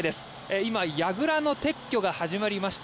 今、やぐらの撤去が始まりました。